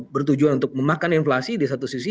bertujuan untuk memakan inflasi di satu sisi